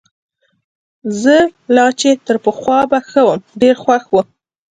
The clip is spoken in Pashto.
زه لا چي تر پخوا به ښه وم، ډېر خوښ وو.